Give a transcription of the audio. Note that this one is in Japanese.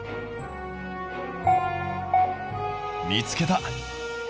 見つけた！